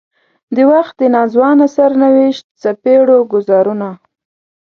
د وخت د ناځوانه سرنوشت څپېړو ګوزارونه.